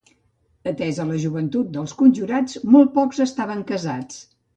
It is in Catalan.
Atesa la joventut dels conjurats, molt pocs estaven casats.